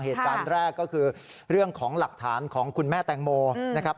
เหตุการณ์แรกก็คือเรื่องของหลักฐานของคุณแม่แตงโมนะครับ